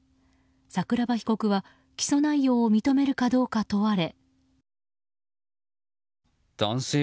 桜庭被告は起訴内容を認めるかどうか問われ。